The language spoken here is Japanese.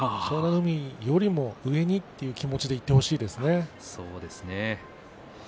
海よりも、上にという気持ちでいってほしいですね。